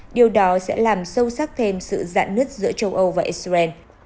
điều đó sẽ làm sâu sắc thêm sự dạn nứt giữa châu âu và israel